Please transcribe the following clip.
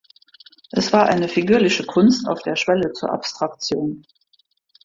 Es war eine figürliche Kunst auf der Schwelle zur Abstraktion.